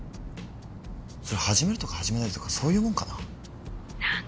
それ始めるとか始めないとかそういうもんかな？